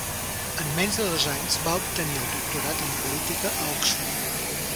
En menys de dos anys, va obtenir el doctorat en Política a Oxford.